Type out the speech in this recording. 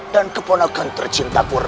dan keponakan tercintaku